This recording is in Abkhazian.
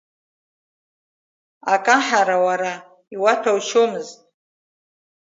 Акаҳара уара иуаҭәаушьомызт…